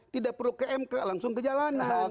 tidak perlu ke mk langsung ke jalanan